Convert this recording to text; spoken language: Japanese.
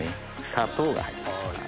砂糖が入ります。